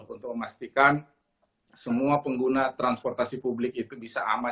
untuk memastikan semua pengguna transportasi publik itu bisa aman